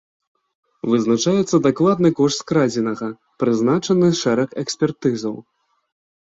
Вызначаецца дакладны кошт скрадзенага, прызначаны шэраг экспертызаў.